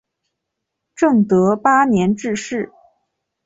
正德八年致仕。